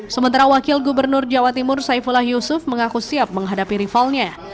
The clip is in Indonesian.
sementara wakil gubernur jawa timur saifullah yusuf mengaku siap menghadapi rivalnya